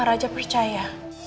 sama raja percaya